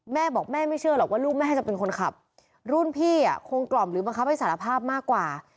แม่บอกแม่ไม่เชื่อหรอกว่าลูกแม่จะเป็นคนขับรุ่นพี่อ่ะคงกล่อมหรือบังคับให้สารภาพมากกว่า